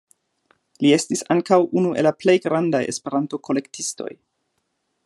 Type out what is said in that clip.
Li estis ankaŭ unu el la plej grandaj Esperanto-kolektistoj.